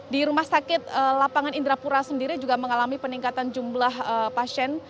di rumah sakit lapangan indrapura sendiri juga mengalami peningkatan jumlah pasien